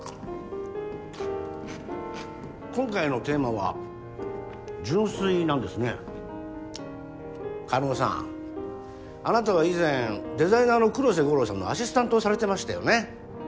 今回のテーマは純粋なんですね叶さんあなたは以前デザイナーの黒瀬吾郎さんのアシスタントをされてましたよね？